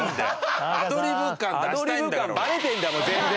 アドリブ感バレてんだ全然。